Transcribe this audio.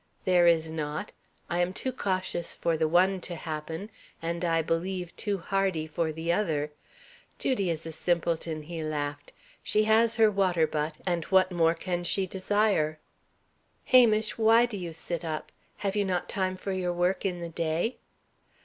"There is not. I am too cautious for the one to happen, and, I believe, too hardy for the other. Judy is a simpleton," he laughed; "she has her water butt, and what more can she desire?" "Hamish, why do you sit up? Have you not time for your work in the day?"